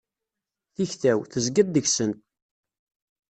Tikta-w, tezgiḍ deg-sen.